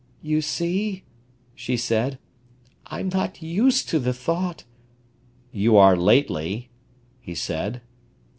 "You see," she said, "I'm not used to the thought—" "You are lately," he said.